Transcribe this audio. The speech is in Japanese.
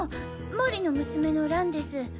毛利の娘の蘭です。